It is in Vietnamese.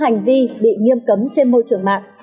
hành vi bị nghiêm cấm trên môi trường mạng